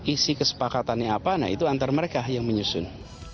isi kesepakatannya apa nah itu antara mereka yang menyusun